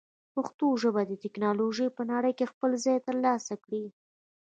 پښتو ژبه باید د ټکنالوژۍ په نړۍ کې خپل ځای ترلاسه کړي.